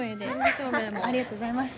ありがとうございます。